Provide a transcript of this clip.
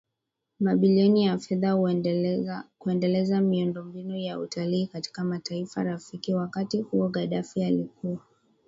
mabilioni ya fedha kuendeleza miundombinu ya utalii katika mataifa rafiki Wakati huo Gaddafi alikuwa